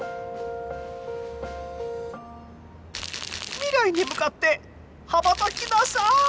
未来へ向かって羽ばたきなさい！